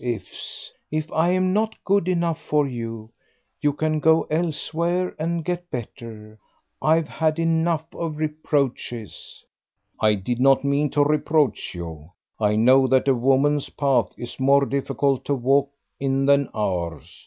If I am not good enough for you, you can go elsewhere and get better; I've had enough of reproaches." "I did not mean to reproach you; I know that a woman's path is more difficult to walk in than ours.